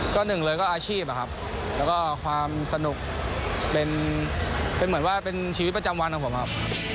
ก็หนึ่งเลยก็อาชีพอะครับแล้วก็ความสนุกเป็นเหมือนว่าเป็นชีวิตประจำวันของผมครับ